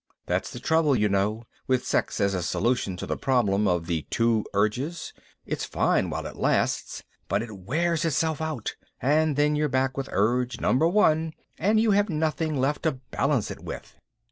That's the trouble, you know, with sex as a solution to the problem of the two urges. It's fine while it lasts but it wears itself out and then you're back with Urge Number One and you have nothing left to balance it with.